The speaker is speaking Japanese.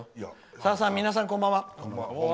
「さださん、皆さん、こんばんは。